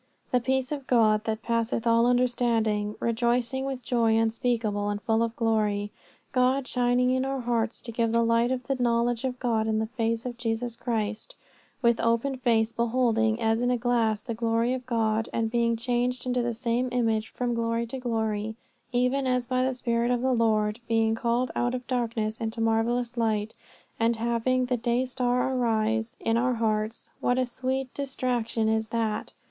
The peace of God that passeth all understanding; rejoicing with joy unspeakable and full of glory; God shining in our hearts, to give the light of the knowledge of God in the face of Jesus Christ; with open face beholding as in a glass the glory of God, and being changed into the same image from glory to glory, even as by the spirit of the Lord; being called out of darkness into marvellous light, and having the day star arise in our hearts! What a sweet distraction is that!